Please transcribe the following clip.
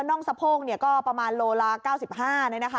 น่องสะโพงก็ประมาณโลละ๙๕บาท